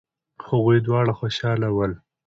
هغوی دواړه خوشحاله شول.